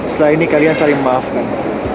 setelah ini kalian saling memaafkan